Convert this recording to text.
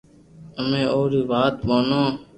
امي اوري ر وات مونو